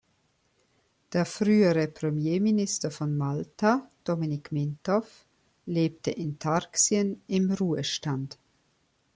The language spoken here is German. Der frühere Premierminister von Malta, Dominic Mintoff, lebte in Tarxien im Ruhestand.